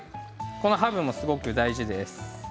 このハーブもすごく大事です。